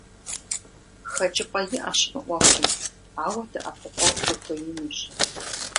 Хэкӏыпӏэ иӏэщ мы ӏуэхум, ауэ дэӏэпыкъуэгъу дыхуеинущ.